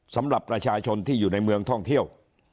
สำหรับประชาชนที่อยู่ในเมืองท่องเที่ยว